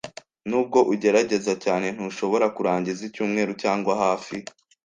Nubwo ugerageza cyane, ntushobora kurangiza icyumweru cyangwa hafi.